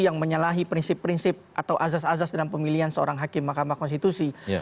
yang menyalahi prinsip prinsip atau azas azas dalam pemilihan seorang hakim mahkamah konstitusi